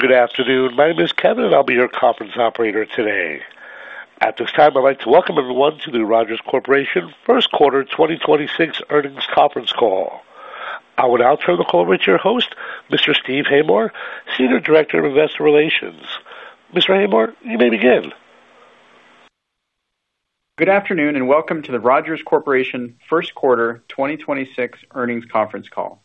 Good afternoon. My name is Kevin, and I'll be your conference operator today. At this time, I'd like to welcome everyone to the Rogers Corporation First Quarter 2026 Earnings Conference Call. I would now turn the call over to your host, Mr. Steve Haymore, Senior Director, Investor Relations. Mr. Haymore, you may begin. Good afternoon, and welcome to the Rogers Corporation First Quarter 2026 Earnings Conference Call.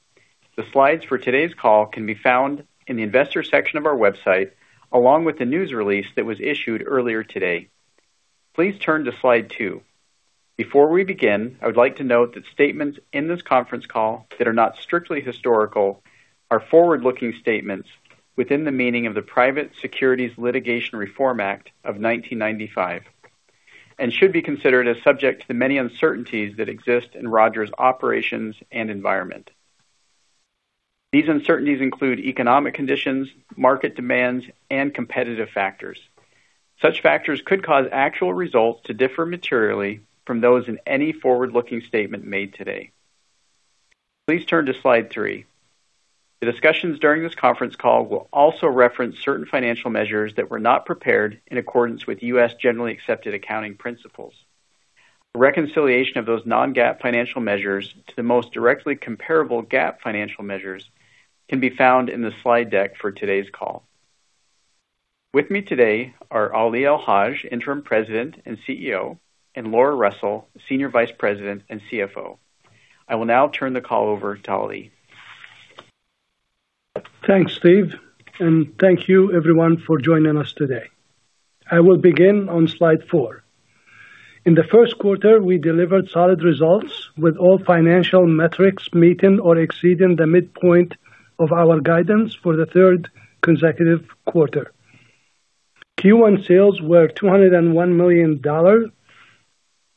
The slides for today's call can be found in the investor section of our website, along with the news release that was issued earlier today. Please turn to slide two. Before we begin, I would like to note that statements in this conference call that are not strictly historical are forward-looking statements within the meaning of the Private Securities Litigation Reform Act of 1995, and should be considered as subject to the many uncertainties that exist in Rogers' operations and environment. These uncertainties include economic conditions, market demands, and competitive factors. Such factors could cause actual results to differ materially from those in any forward-looking statement made today. Please turn to slide three. The discussions during this conference call will also reference certain financial measures that were not prepared in accordance with U.S. Generally Accepted Accounting Principles. A reconciliation of those non-GAAP financial measures to the most directly comparable GAAP financial measures can be found in the slide deck for today's call. With me today are Ali El-Haj, Interim President and CEO, and Laura Russell, Senior Vice President and CFO. I will now turn the call over to Ali. Thanks, Steve, and thank you everyone for joining us today. I will begin on slide four. In the first quarter, we delivered solid results with all financial metrics meeting or exceeding the midpoint of our guidance for the third consecutive quarter. Q1 sales were $201 million,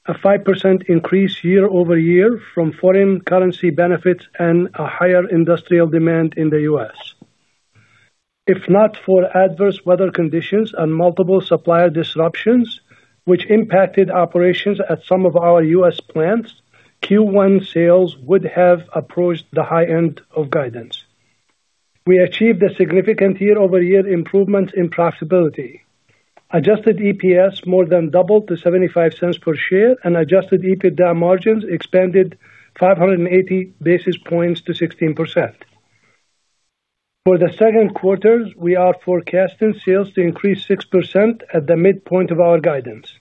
a 5% increase year-over-year from foreign currency benefits and a higher industrial demand in the U.S. If not for adverse weather conditions and multiple supplier disruptions, which impacted operations at some of our U.S. plants, Q1 sales would have approached the high end of guidance. We achieved a significant year-over-year improvement in profitability. Adjusted EPS more than doubled to $0.75 per share, and adjusted EBITDA margins expanded 580 basis points to 16%. For the second quarter, we are forecasting sales to increase 6% at the midpoint of our guidance.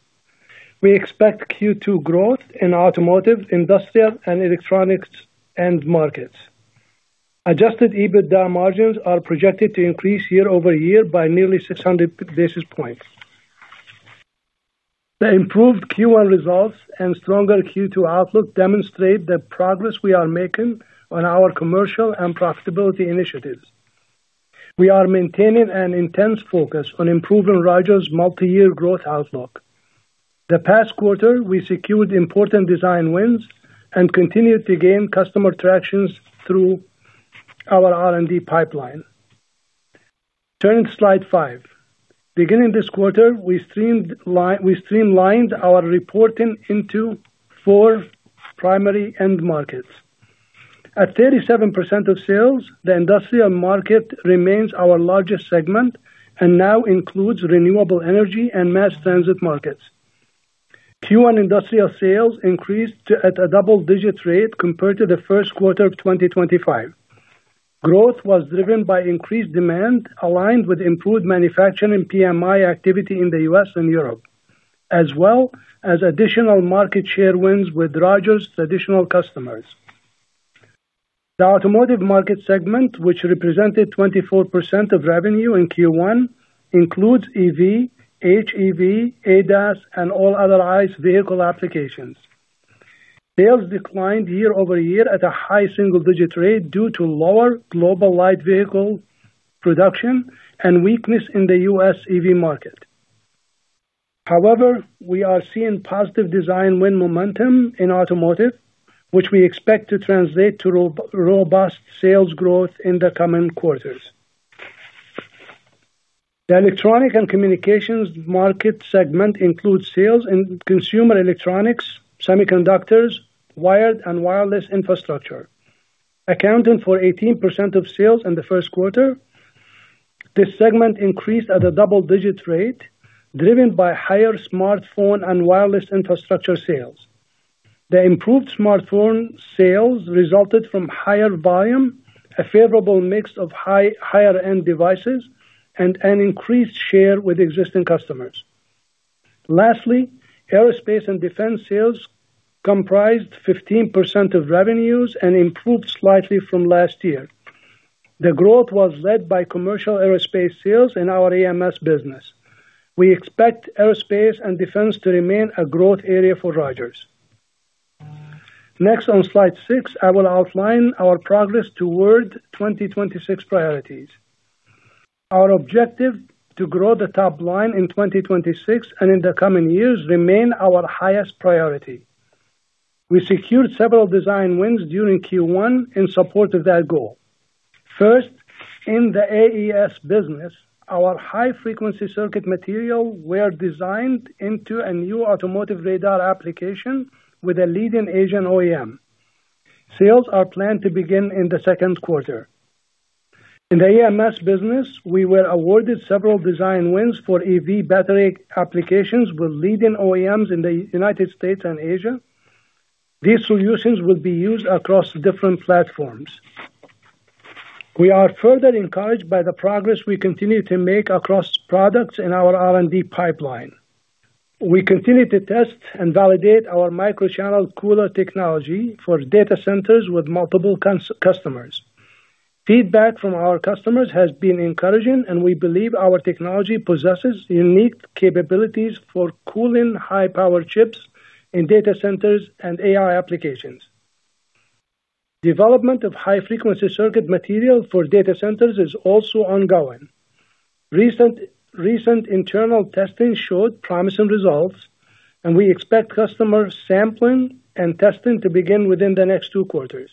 We expect Q2 growth in automotive, industrial, and electronics end markets. Adjusted EBITDA margins are projected to increase year-over-year by nearly 600 basis points. The improved Q1 results and stronger Q2 outlook demonstrate the progress we are making on our commercial and profitability initiatives. We are maintaining an intense focus on improving Rogers' multi-year growth outlook. The past quarter, we secured important design wins and continued to gain customer tractions through our R&D pipeline. Turning to slide five. Beginning this quarter, we streamlined our reporting into four primary end markets. At 37% of sales, the industrial market remains our largest segment and now includes renewable energy and mass transit markets. Q1 industrial sales increased at a double-digit rate compared to the first quarter of 2025. Growth was driven by increased demand aligned with improved manufacturing PMI activity in the U.S. and Europe, as well as additional market share wins with Rogers traditional customers. The automotive market segment, which represented 24% of revenue in Q1, includes EV, HEV, ADAS, and all other ICE vehicle applications. Sales declined year-over-year at a high single-digit rate due to lower global light vehicle production and weakness in the U.S. EV market. We are seeing positive design win momentum in automotive, which we expect to translate to robust sales growth in the coming quarters. The electronic and communications market segment includes sales in consumer electronics, semiconductors, wired and wireless infrastructure. Accounting for 18% of sales in the first quarter, this segment increased at a double-digit rate, driven by higher smartphone and wireless infrastructure sales. The improved smartphone sales resulted from higher volume, a favorable mix of higher end devices, and an increased share with existing customers. Lastly, aerospace and defense sales comprised 15% of revenues and improved slightly from last year. The growth was led by commercial aerospace sales in our EMS business. We expect aerospace and defense to remain a growth area for Rogers. Next, on slide six, I will outline our progress toward 2026 priorities. Our objective to grow the top line in 2026 and in the coming years remain our highest priority. We secured several design wins during Q1 in support of that goal. First, in the AES business, our high frequency circuit material were designed into a new automotive radar application with a leading Asian OEM. Sales are planned to begin in the second quarter. In the AMS business, we were awarded several design wins for EV battery applications with leading OEMs in the United States and Asia. These solutions will be used across different platforms. We are further encouraged by the progress we continue to make across products in our R&D pipeline. We continue to test and validate our microchannel cooler technology for data centers with multiple customers. Feedback from our customers has been encouraging. We believe our technology possesses unique capabilities for cooling high power chips in data centers and AI applications. Development of high frequency circuit material for data centers is also ongoing. Recent internal testing showed promising results. We expect customer sampling and testing to begin within the next two quarters.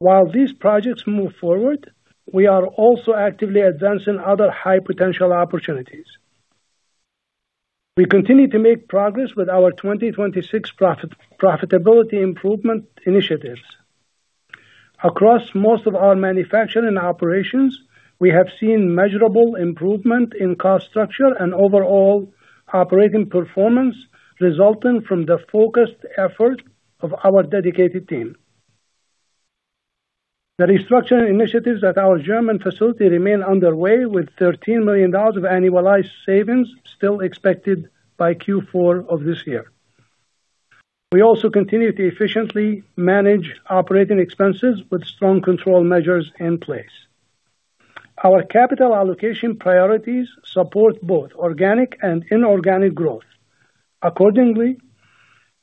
While these projects move forward, we are also actively advancing other high potential opportunities. We continue to make progress with our 2026 profitability improvement initiatives. Across most of our manufacturing operations, we have seen measurable improvement in cost structure and overall operating performance resulting from the focused effort of our dedicated team. The restructuring initiatives at our German facility remain underway, with $13 million of annualized savings still expected by Q4 of this year. We also continue to efficiently manage operating expenses with strong control measures in place. Our capital allocation priorities support both organic and inorganic growth. Accordingly,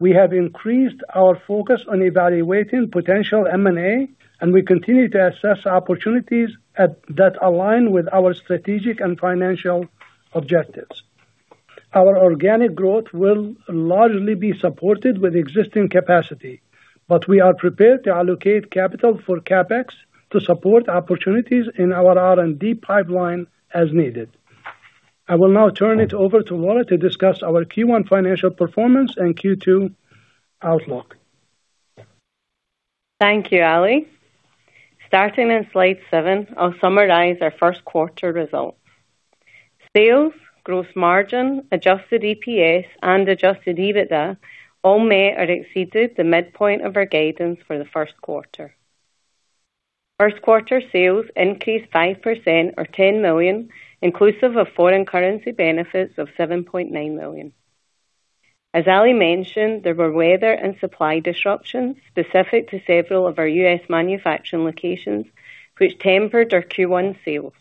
we have increased our focus on evaluating potential M&A, and we continue to assess opportunities that align with our strategic and financial objectives. Our organic growth will largely be supported with existing capacity, but we are prepared to allocate capital for CapEx to support opportunities in our R&D pipeline as needed. I will now turn it over to Laura to discuss our Q1 financial performance and Q2 outlook. Thank you, Ali. Starting in slide seven, I'll summarize our first quarter results. Sales, gross margin, adjusted EPS, and adjusted EBITDA all met or exceeded the midpoint of our guidance for the first quarter. First quarter sales increased 5% or $10 million, inclusive of foreign currency benefits of $7.9 million. As Ali mentioned, there were weather and supply disruptions specific to several of our U.S. manufacturing locations, which tempered our Q1 sales.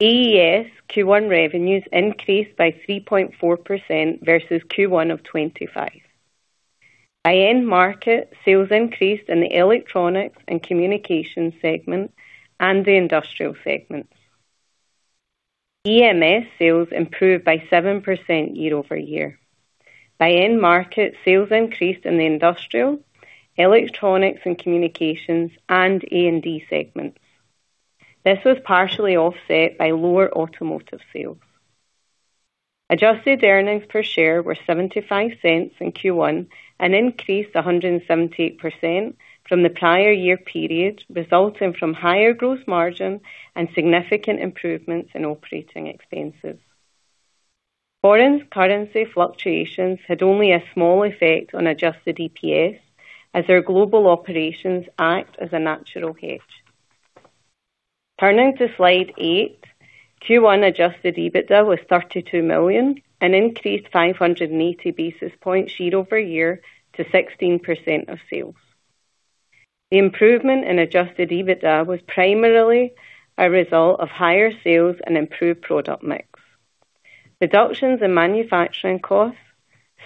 AES Q1 revenues increased by 3.4% versus Q1 of 2025. In market, sales increased in the electronics and communications segments and the industrial segments. EMS sales improved by 7% year-over-year. By end market, sales increased in the industrial, electronics and communications, and A&D segments. This was partially offset by lower automotive sales. Adjusted earnings per share were $0.75 in Q1, an increase 178% from the prior year period, resulting from higher gross margin and significant improvements in operating expenses. Foreign currency fluctuations had only a small effect on adjusted EPS, as our global operations act as a natural hedge. Turning to slide eight, Q1 adjusted EBITDA was $32 million, an increased 580 basis points year-over-year to 16% of sales. The improvement in adjusted EBITDA was primarily a result of higher sales and improved product mix. Reductions in manufacturing costs,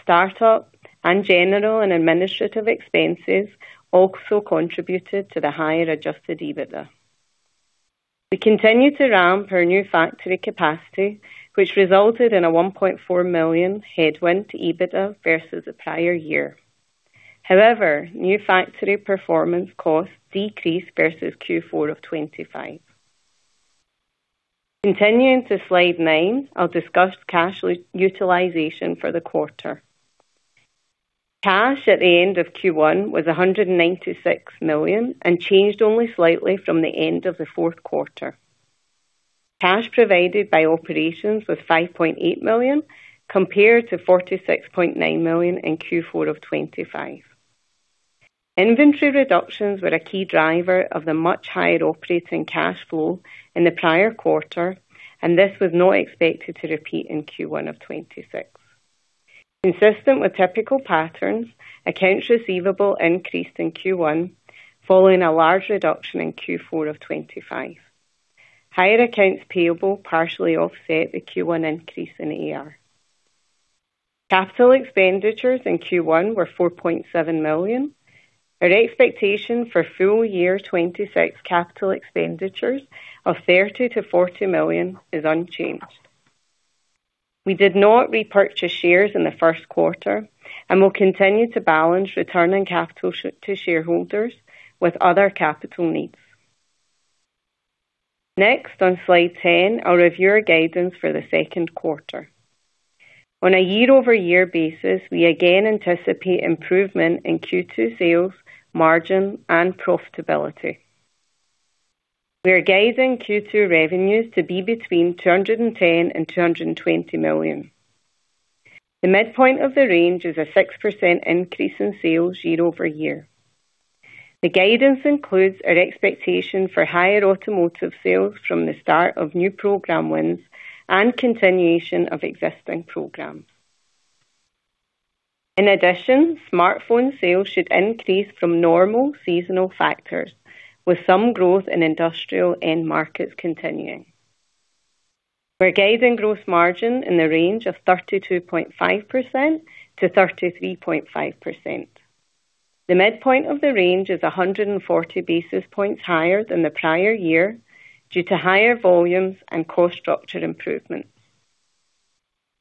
start-up, and general and administrative expenses also contributed to the higher adjusted EBITDA. We continue to ramp our new factory capacity, which resulted in a $1.4 million headwind to EBITDA versus the prior year. New factory performance costs decreased versus Q4 of 2025. Continuing to slide nine, I'll discuss cash utilization for the quarter. Cash at the end of Q1 was $196 million, and changed only slightly from the end of the fourth quarter. Cash provided by operations was $5.8 million, compared to $46.9 million in Q4 of 2025. Inventory reductions were a key driver of the much higher operating cash flow in the prior quarter, and this was not expected to repeat in Q1 of 2026. Consistent with typical patterns, accounts receivable increased in Q1 following a large reduction in Q4 of 2025. Higher accounts payable partially offset the Q1 increase in AR. Capital expenditures in Q1 were $4.7 million. Our expectation for full year 2026 capital expenditures of $30 million-$40 million is unchanged. We did not repurchase shares in the first quarter and will continue to balance returning capital to shareholders with other capital needs. On slide 10, I'll review our guidance for the second quarter. On a year-over-year basis, we again anticipate improvement in Q2 sales, margin, and profitability. We are guiding Q2 revenues to be between $210 million and $220 million. The midpoint of the range is a 6% increase in sales year-over-year. The guidance includes our expectation for higher automotive sales from the start of new program wins and continuation of existing programs. In addition, smartphone sales should increase from normal seasonal factors, with some growth in industrial end markets continuing. We're guiding gross margin in the range of 32.5%-33.5%. The midpoint of the range is 140 basis points higher than the prior year due to higher volumes and cost structure improvements.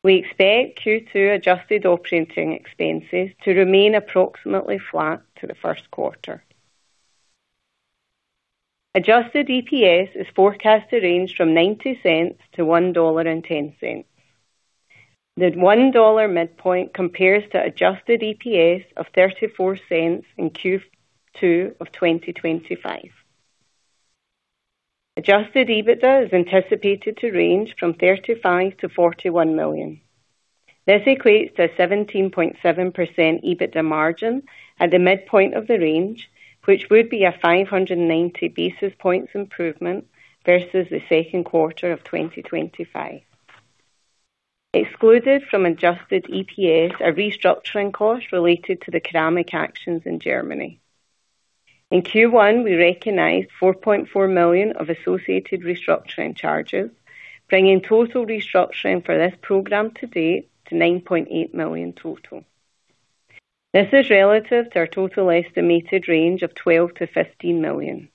We expect Q2 adjusted operating expenses to remain approximately flat to the first quarter. Adjusted EPS is forecast to range from $0.90-$1.10. The $1.00 midpoint compares to adjusted EPS of $0.34 in Q2 of 2025. Adjusted EBITDA is anticipated to range from $35 million-$41 million. This equates to a 17.7% EBITDA margin at the midpoint of the range, which would be a 590 basis points improvement versus the second quarter of 2025. Excluded from adjusted EPS are restructuring costs related to the ceramic actions in Germany. In Q1, we recognized $4.4 million of associated restructuring charges, bringing total restructuring for this program to date to $9.8 million total. This is relative to our total estimated range of $12 million-$15 million.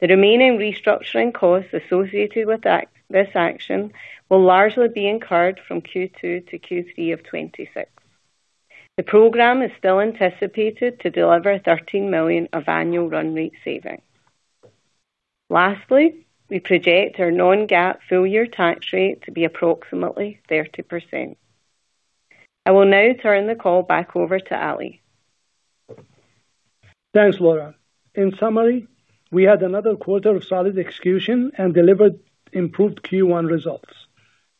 The remaining restructuring costs associated with this action will largely be incurred from Q2 to Q3 of 2026. The program is still anticipated to deliver $13 million of annual run rate savings. Lastly, we project our non-GAAP full year tax rate to be approximately 30%. I will now turn the call back over to Ali. Thanks, Laura. In summary, we had another quarter of solid execution and delivered improved Q1 results.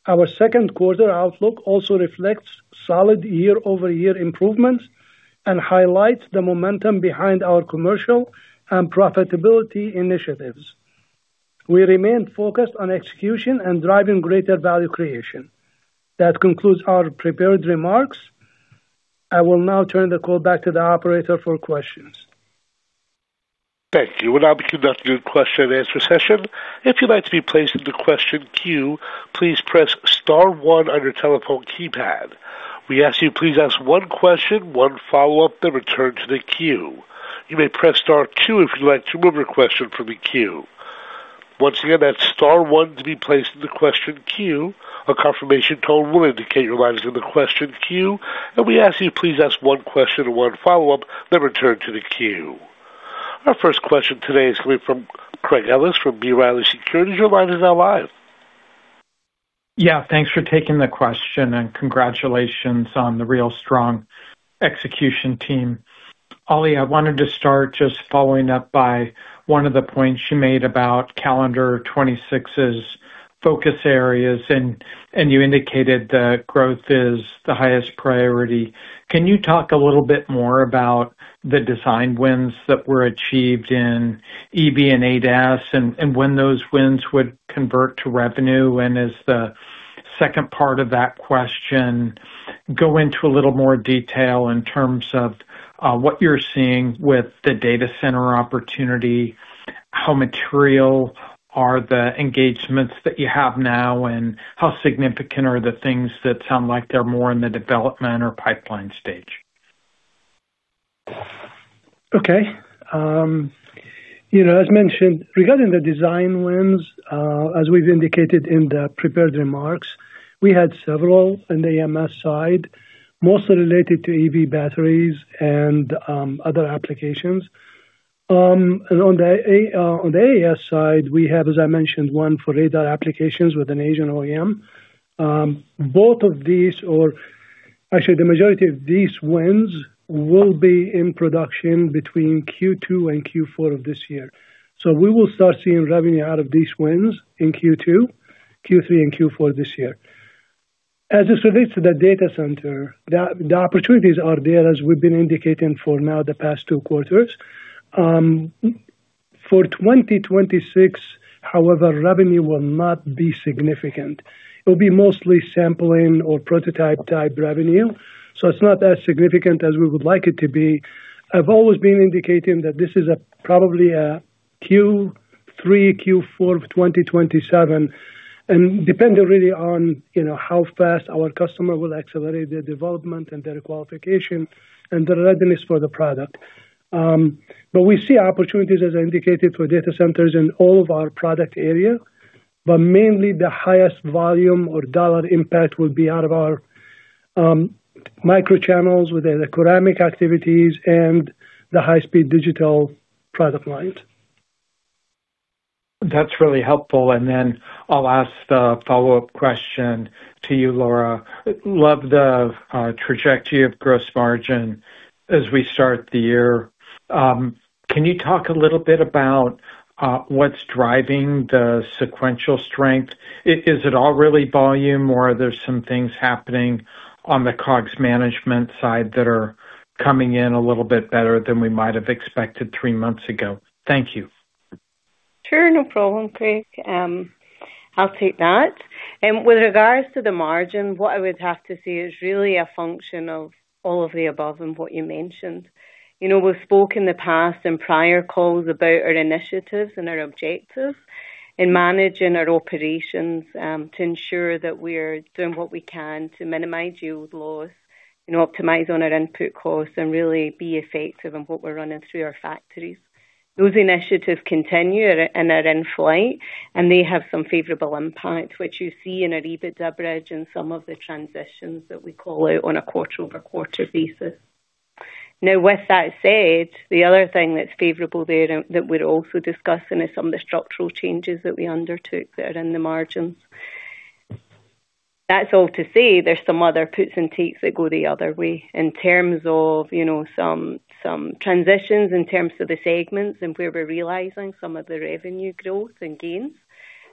Our second quarter outlook also reflects solid year-over-year improvements and highlights the momentum behind our commercial and profitability initiatives. We remain focused on execution and driving greater value creation. That concludes our prepared remarks. I will now turn the call back to the operator for questions. Our first question today is coming from Craig Ellis from B. Riley Securities. Your line is now live. Yeah, thanks for taking the question and congratulations on the real strong execution team. Ali, I wanted to start just following up by one of the points you made about calendar 2026's focus areas, and you indicated that growth is the highest priority. Can you talk a little bit more about the design wins that were achieved in EV and ADAS, and when those wins would convert to revenue? As the second part of that question, go into a little more detail in terms of what you're seeing with the data center opportunity. How material are the engagements that you have now, and how significant are the things that sound like they're more in the development or pipeline stage? Okay. you know, as mentioned regarding the design wins, as we've indicated in the prepared remarks, we had several in the AMS side, mostly related to EV batteries and other applications. On the AES side, we have, as I mentioned, one for radar applications with an Asian OEM. Both of these or actually the majority of these wins will be in production between Q2 and Q4 of this year. We will start seeing revenue out of these wins in Q2, Q3 and Q4 this year. As this relates to the data center, the opportunities are there, as we've been indicating for now the past two quarters. For 2026 however, revenue will not be significant. It'll be mostly sampling or prototype type revenue, it's not as significant as we would like it to be. I've always been indicating that this is a probably a Q3, Q4 of 2027 and depend really on, you know, how fast our customer will accelerate their development and their qualification and their readiness for the product. But we see opportunities as indicated for data centers in all of our product area, but mainly the highest volume or dollar impact will be out of our microchannels with the ceramic activities and the high-speed digital product lines. That's really helpful. Then I'll ask the follow-up question to you, Laura. Love the trajectory of gross margin as we start the year. Can you talk a little bit about what's driving the sequential strength? Is it all really volume or are there some things happening on the COGS management side that are coming in a little bit better than we might have expected three months ago? Thank you. Sure. No problem, Craig. I'll take that. With regards to the margin, what I would have to say is really a function of all of the above and what you mentioned. You know, we've spoke in the past in prior calls about our initiatives and our objectives in managing our operations, to ensure that we're doing what we can to minimize yield loss and optimize on our input costs and really be effective in what we're running through our factories. Those initiatives continue and are in flight, and they have some favorable impact, which you see in our EBITDA bridge and some of the transitions that we call out on a quarter-over-quarter basis. Now, with that said, the other thing that's favorable there and that we're also discussing is some of the structural changes that we undertook that are in the margins. That's all to say there's some other puts and takes that go the other way in terms of, you know, some transitions in terms of the segments and where we're realizing some of the revenue growth and gains.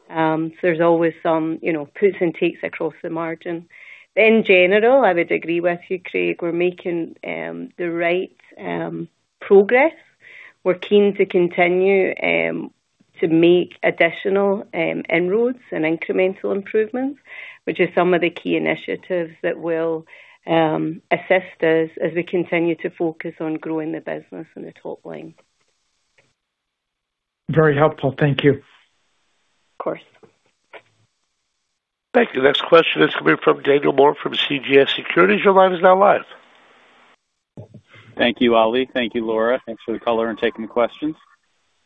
There's always some, you know, puts and takes across the margin. In general, I would agree with you, Craig. We're making the right progress. We're keen to continue to make additional inroads and incremental improvements, which are some of the key initiatives that will assist us as we continue to focus on growing the business and the top line. Very helpful. Thank you. Of course. Thank you. Next question is coming from Daniel Moore from CJS Securities. Your line is now live. Thank you, Ali. Thank you, Laura. Thanks for the color and taking the questions.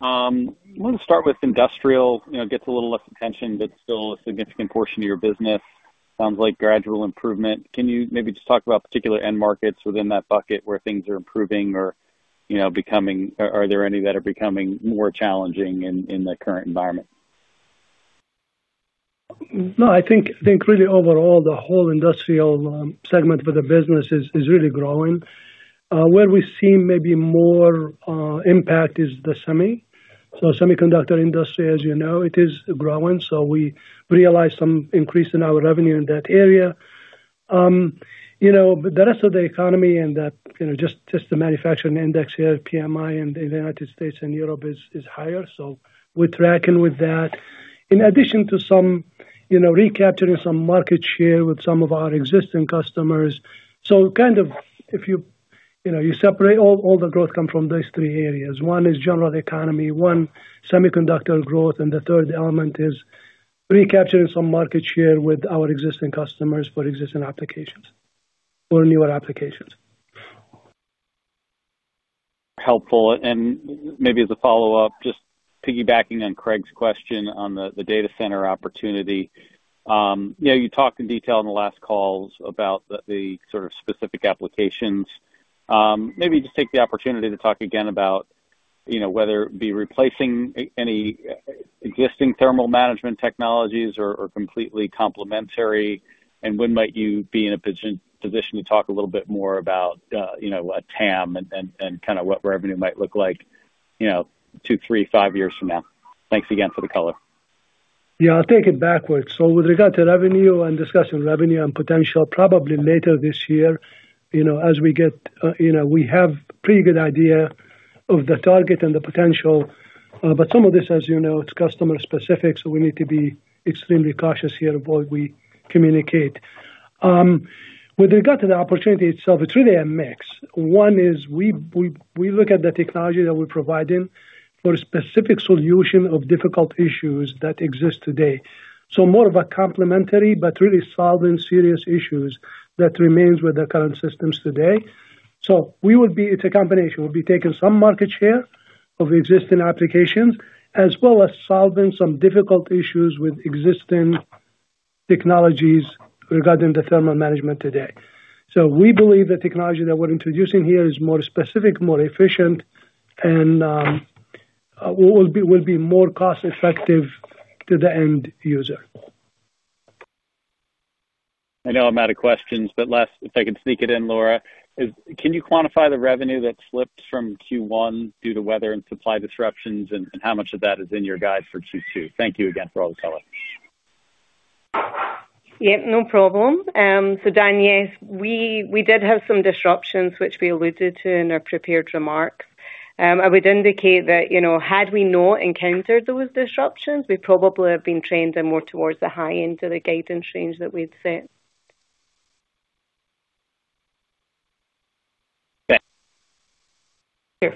I want to start with industrial. You know, it gets a little less attention, but still a significant portion of your business. Sounds like gradual improvement. Can you maybe just talk about particular end markets within that bucket where things are improving or, you know, Are there any that are becoming more challenging in the current environment? No, I think really overall, the whole industrial segment for the business is really growing. Where we're seeing maybe more impact is the semi. Semiconductor industry, as you know, it is growing, so we realized some increase in our revenue in that area. You know, the rest of the economy and that, you know, just the manufacturing index here, PMI in the U.S. and Europe is higher, so we're tracking with that. In addition to some, you know, recapturing some market share with some of our existing customers. Kind of if you know, you separate all the growth come from those three areas. One is general economy, one semiconductor growth, and the third element is recapturing some market share with our existing customers for existing applications or newer applications. Helpful. Maybe as a follow-up, just piggybacking on Craig's question on the data center opportunity. You know, you talked in detail in the last calls about the sort of specific applications. Maybe just take the opportunity to talk again about, you know, whether it be replacing any existing thermal management technologies or completely complementary, and when might you be in a position to talk a little bit more about, you know, a TAM and kind of what revenue might look like, you know, two, three, five years from now. Thanks again for the color. Yeah, I'll take it backwards. With regard to revenue and discussing revenue and potential probably later this year, you know, as we get, you know, we have pretty good idea of the target and the potential. Some of this, as you know, it's customer specific, so we need to be extremely cautious here of what we communicate. With regard to the opportunity itself, it's really a mix. One is we look at the technology that we're providing for a specific solution of difficult issues that exist today. More of a complementary, but really solving serious issues that remains with the current systems today. It's a combination. We'll be taking some market share of existing applications, as well as solving some difficult issues with existing technologies regarding the thermal management today. We believe the technology that we're introducing here is more specific, more efficient, and will be more cost-effective to the end user. I know I'm out of questions, but last, if I could sneak it in, Laura. Can you quantify the revenue that slipped from Q1 due to weather and supply disruptions? How much of that is in your guide for Q2? Thank you again for all the color. Yeah, no problem. Dan, yes, we did have some disruptions, which we alluded to in our prepared remarks. I would indicate that, you know, had we not encountered those disruptions, we probably have been trending more towards the high end of the guidance range that we'd set. Okay. Sure.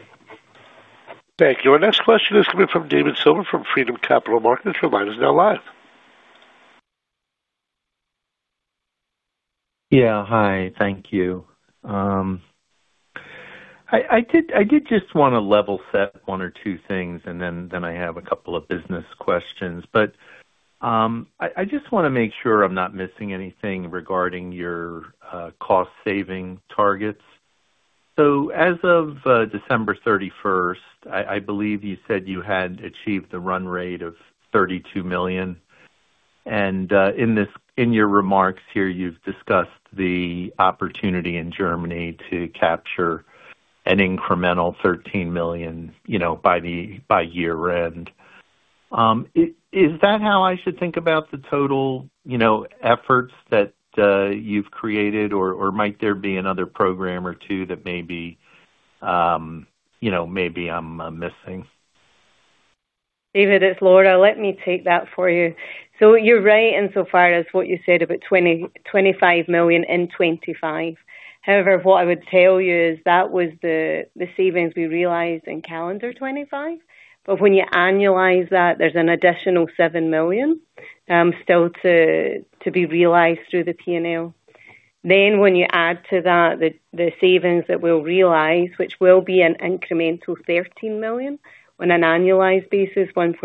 Thank you. Our next question is coming from David Silver from Freedom Capital Markets. Your line is now live. Yeah. Hi. Thank you. I did just want to level set one or two things. Then I have a couple of business questions. I just want to make sure I'm not missing anything regarding your cost saving targets. As of December 31st, I believe you said you had achieved the run rate of $32 million. In your remarks here, you've discussed the opportunity in Germany to capture an incremental $13 million, you know, by year-end. Is that how I should think about the total, you know, efforts that you've created or might there be another program or two that maybe, you know, I'm missing? David, it's Laura. Let me take that for you. You're right insofar as what you said about $25 million in 2025. However, what I would tell you is that was the savings we realized in calendar 2025. When you annualize that, there's an additional $7 million still to be realized through the P&L. When you add to that the savings that we'll realize, which will be an incremental $13 million on an annualized basis once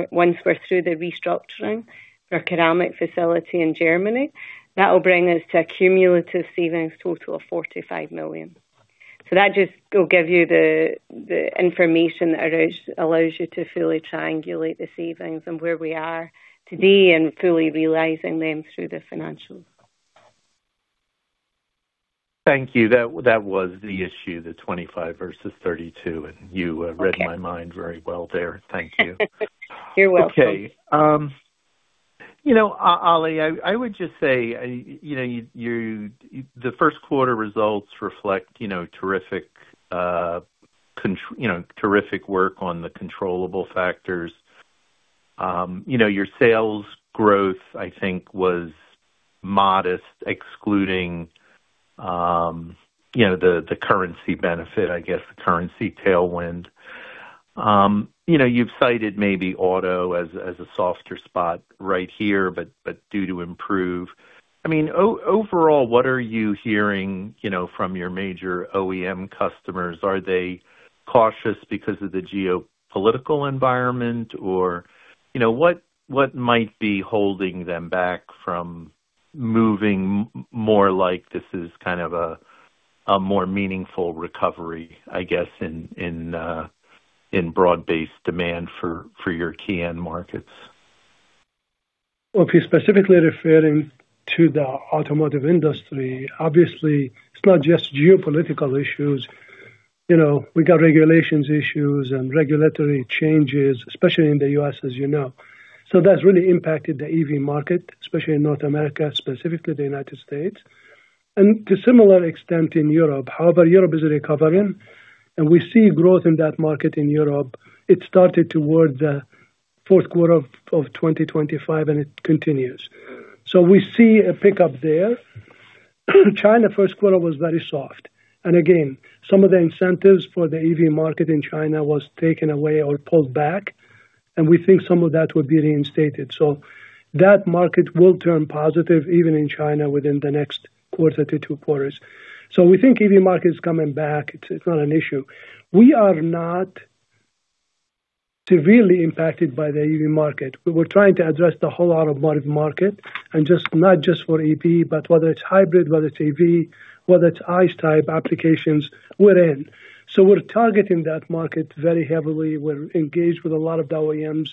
we're through the restructuring for our ceramic facility in Germany, that will bring us to a cumulative savings total of $45 million. That just will give you the information that allows you to fully triangulate the savings and where we are today and fully realizing them through the financials. Thank you. That was the issue, the 25 versus 32. Okay. You read my mind very well there. Thank you. You're welcome. Okay. you know, Ali, I would just say, you know, the first quarter results reflect, you know, terrific, you know, terrific work on the controllable factors. you know, your sales growth, I think was modest, excluding, you know, the currency benefit, I guess, the currency tailwind. you know, you've cited maybe auto as a softer spot right here, but due to improve. I mean, overall, what are you hearing, you know, from your major OEM customers? Are they cautious because of the geopolitical environment? you know, what might be holding them back from moving more like this is kind of a more meaningful recovery, I guess, in broad-based demand for your key end markets? Well, if you're specifically referring to the automotive industry, obviously it's not just geopolitical issues. You know, we got regulations issues and regulatory changes, especially in the U.S., as you know. That's really impacted the EV market, especially in North America, specifically the United States, and to similar extent in Europe. However, Europe is recovering, and we see growth in that market in Europe. It started toward the fourth quarter of 2025, and it continues. We see a pickup there. China first quarter was very soft. Again, some of the incentives for the EV market in China was taken away or pulled back, and we think some of that will be reinstated. That market will turn positive even in China within the next one to two quarters. We think EV market is coming back. It's not an issue. We are not severely impacted by the EV market. We were trying to address the whole automotive market, not just for EV, but whether it's hybrid, whether it's EV, whether it's ICE type applications, we're in. We're targeting that market very heavily. We're engaged with a lot of the OEMs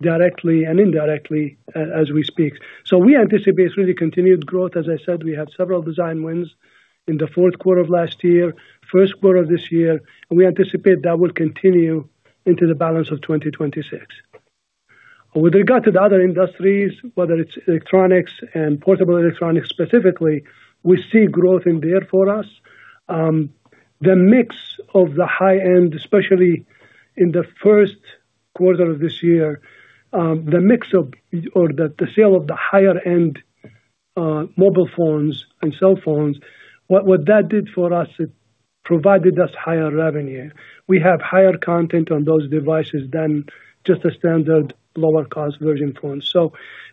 directly and indirectly as we speak. We anticipate really continued growth. As I said, we had several design wins in the fourth quarter of last year, first quarter of this year. We anticipate that will continue into the balance of 2026. With regard to the other industries, whether it's electronics and portable electronics specifically, we see growth in there for us. The mix of the high-end, especially in the first quarter of this year, the mix of or the sale of the higher end, mobile phones and cell phones, what that did for us, it provided us higher revenue. We have higher content on those devices than just a standard lower cost version phone.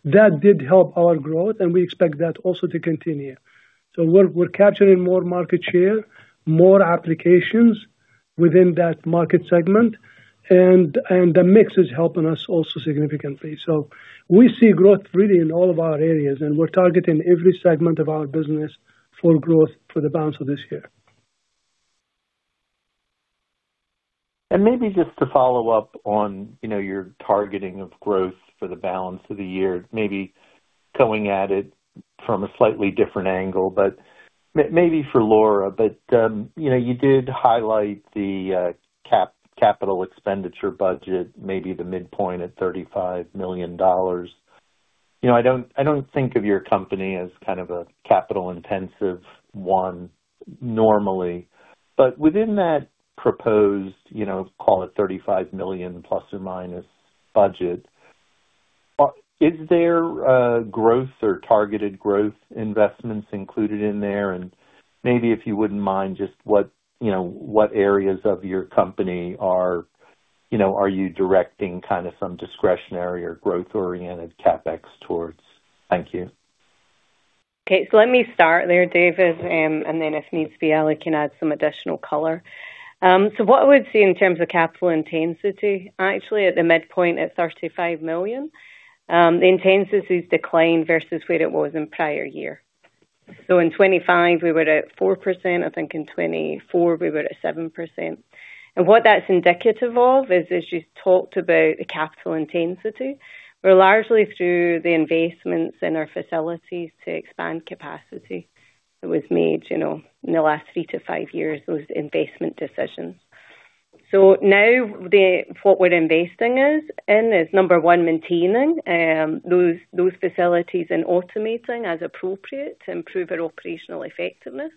That did help our growth, and we expect that also to continue. We're capturing more market share, more applications within that market segment, and the mix is helping us also significantly. We see growth really in all of our areas, and we're targeting every segment of our business for growth for the balance of this year. Maybe just to follow up on, you know, your targeting of growth for the balance of the year, maybe going at it from a slightly different angle, but maybe for Laura. You know, you did highlight the capital expenditure budget, maybe the midpoint at $35 million. You know, I don't think of your company as kind of a capital intensive one normally. Within that proposed, you know, call it $35 million plus or minus budget, is there growth or targeted growth investments included in there? Maybe, if you wouldn't mind, just what, you know, what areas of your company are, you know, are you directing kind of some discretionary or growth-oriented CapEx towards? Thank you. Let me start there, David, if needs be, Ali can add some additional color. What I would say in terms of capital intensity, actually at the midpoint at $35 million, the intensity has declined versus where it was in prior year. In 2025 we were at 4%. I think in 2024 we were at 7%. What that's indicative of is, as you talked about the capital intensity, were largely through the investments in our facilities to expand capacity that was made in the last three to five years, those investment decisions. What we're investing in is, number one, maintaining those facilities and automating as appropriate to improve our operational effectiveness.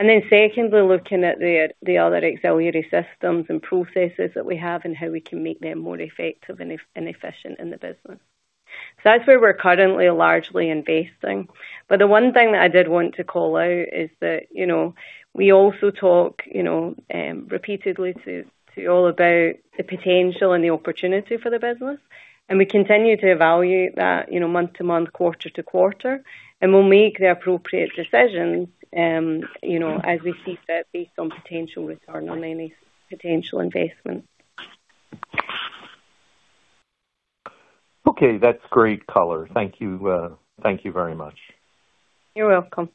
Secondly, looking at the other auxiliary systems and processes that we have and how we can make them more effective and efficient in the business. That's where we're currently largely investing. The one thing that I did want to call out is that, you know, we also talk, you know, repeatedly to you all about the potential and the opportunity for the business, and we continue to evaluate that, you know, month-to-month, quarter-to quarter, and we'll make the appropriate decisions, you know, as we see fit based on potential return on any potential investment. Okay, that's great color. Thank you. Thank you very much. You're welcome.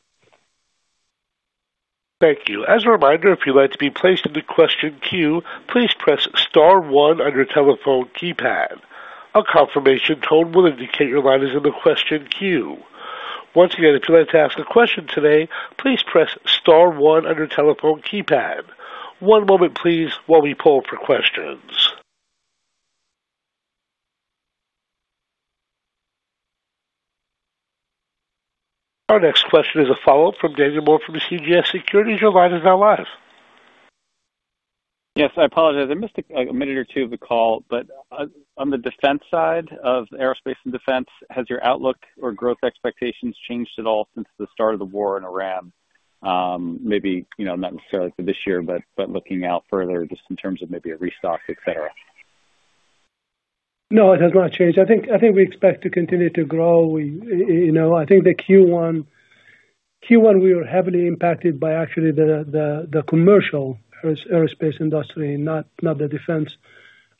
Thank you. As a reminder, if you'd like to be placed in the question queue, please press star one on your telephone keypad. A confirmation tone will indicate your line is in the question queue. Once again, if you'd like to ask a question today, please press star one on your telephone keypad. One moment please while we poll for questions. Our next question is a follow-up from Daniel Moore from the CJS Securities. Your line is now live. Yes, I apologize. I missed, like, a minute or two of the call. On the defense side of aerospace and defense, has your outlook or growth expectations changed at all since the start of the war in Ukraine? Maybe, you know, not necessarily for this year, but looking out further just in terms of maybe a restock, et cetera. No, it has not changed. I think we expect to continue to grow. We, you know, I think the Q1 we were heavily impacted by actually the commercial aerospace industry, not the defense.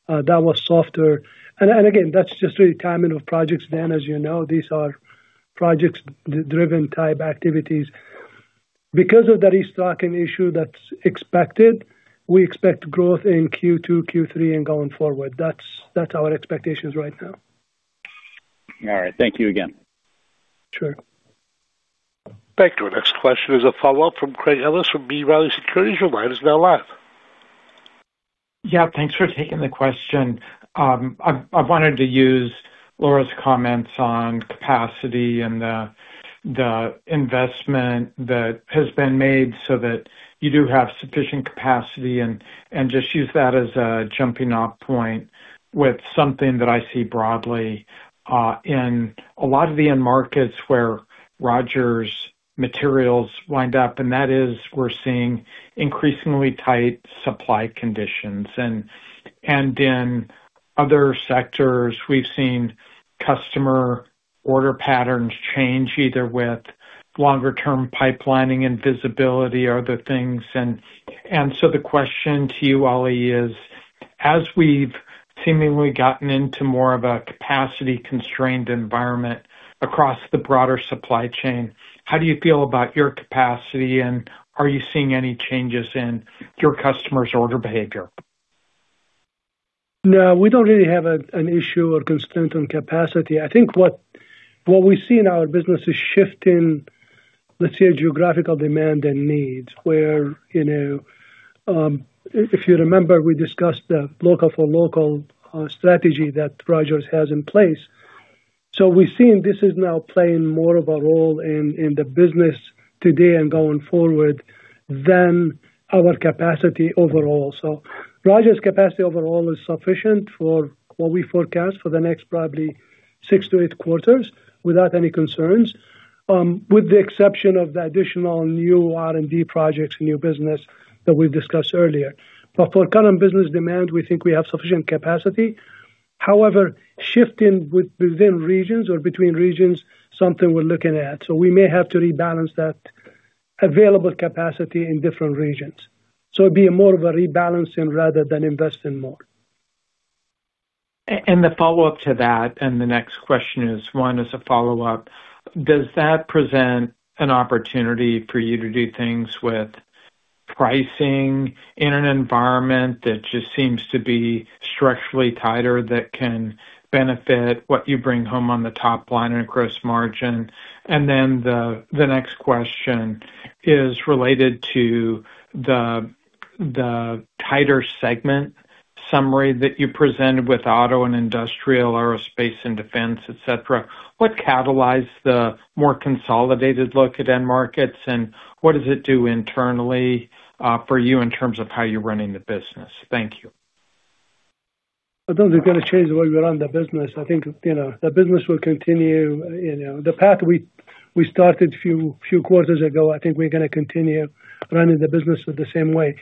That was softer. Again, that's just really timing of projects. Dan, as you know, these are projects driven type activities. Because of the restocking issue that's expected, we expect growth in Q2, Q3, and going forward. That's our expectations right now. All right. Thank you again. Sure. Thank you. Our next question is a follow-up from Craig Ellis from B. Riley Securities. Your line is now live. Yeah, thanks for taking the question. I've wanted to use Laura's comments on capacity and the investment that has been made so that you do have sufficient capacity and just use that as a jumping off point with something that I see broadly in a lot of the end markets where Rogers materials wind up, and that is we're seeing increasingly tight supply conditions. In other sectors, we've seen customer order patterns change either with longer term pipelining and visibility or other things. The question to you, Ali, is: As we've seemingly gotten into more of a capacity-constrained environment across the broader supply chain, how do you feel about your capacity, and are you seeing any changes in your customers' order behavior? No, we don't really have an issue or constraint on capacity. I think what we see in our business is shift in, let's say, geographical demand and needs, where, you know, if you remember, we discussed the local for local strategy that Rogers has in place. We're seeing this is now playing more of a role in the business today and going forward than our capacity overall. Rogers capacity overall is sufficient for what we forecast for the next probably six to eight quarters without any concerns, with the exception of the additional new R&D projects, new business that we discussed earlier. For current business demand, we think we have sufficient capacity. However, shifting within regions or between regions, something we're looking at. We may have to rebalance that available capacity in different regions. It'd be more of a rebalancing rather than investing more. The follow-up to that, and the next question is one as a follow-up: Does that present an opportunity for you to do things with pricing in an environment that just seems to be structurally tighter, that can benefit what you bring home on the top line and gross margin? Then the next question is related to the tighter segment summary that you presented with auto and industrial, aerospace and defense, et cetera. What catalyzed the more consolidated look at end markets, and what does it do internally for you in terms of how you're running the business? Thank you. I don't think it's gonna change the way we run the business. I think, you know, the business will continue, you know, the path we started few quarters ago, I think we're gonna continue running the business with the same way.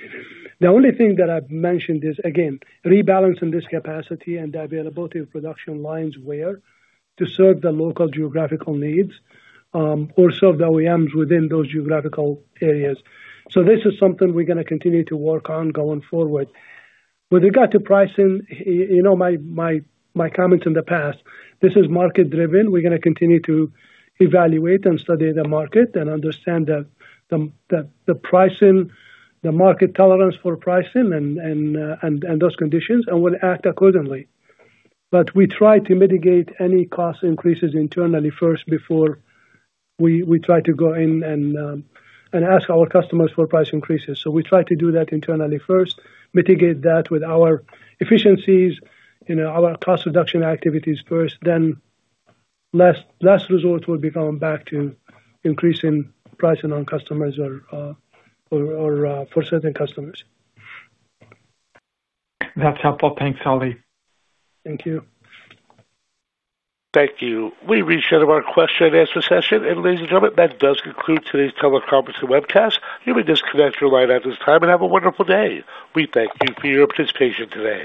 The only thing that I've mentioned is, again, rebalancing this capacity and the availability of production lines where to serve the local geographical needs, or serve the OEMs within those geographical areas. This is something we're gonna continue to work on going forward. With regard to pricing, you know, my comments in the past, this is market-driven. We're gonna continue to evaluate and study the market and understand the pricing, the market tolerance for pricing and those conditions, we'll act accordingly. We try to mitigate any cost increases internally first before we try to go in and ask our customers for price increases. We try to do that internally first, mitigate that with our efficiencies, you know, our cost reduction activities first, then last resort will be going back to increasing pricing on customers or for certain customers. That's helpful. Thanks, Ali. Thank you. Thank you. We've reached the end of our question and answer session. Ladies and gentlemen, that does conclude today's teleconference and webcast. You may disconnect your line at this time, and have a wonderful day. We thank you for your participation today.